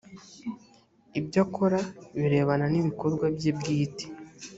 ibyo akora birebana n ibikorwa bye bwite